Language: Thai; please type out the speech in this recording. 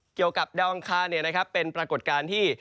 เกี่ยวกับดาวอังคารเป็นปรากฏการณ์ที่